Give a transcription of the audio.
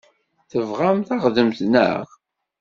Tebɣam taɣdemt, naɣ?